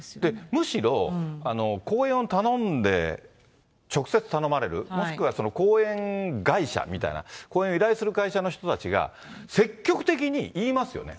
むしろ講演を頼んで、直接頼まれる、もしくは講演会社みたいな、講演を依頼する会社の人たちが積極的に言いますよね。